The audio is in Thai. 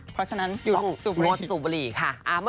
เพราะฉะนั้นหยุดสูบรถสูบบุหรี่ค่ะ